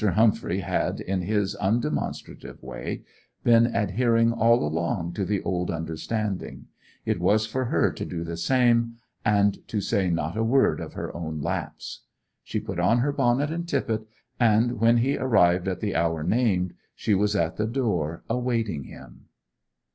Humphrey had, in his undemonstrative way, been adhering all along to the old understanding; it was for her to do the same, and to say not a word of her own lapse. She put on her bonnet and tippet, and when he arrived at the hour named she was at the door awaiting him.